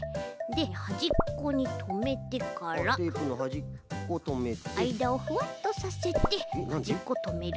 ではじっこにとめてからあいだをフワッとさせてはじっことめる。